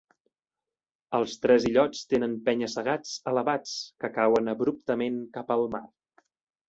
Els tres illots tenen penya-segats elevats, que cauen abruptament cap al mar.